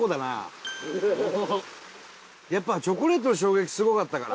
やっぱチョコレートの衝撃すごかったから。